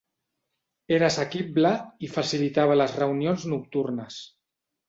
Era assequible i facilitava les reunions nocturnes.